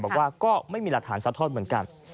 บอกว่าก็ไม่มีหลักฐานซัดทอดเหมือนกัน